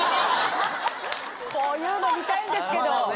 こういうの見たいんですけど。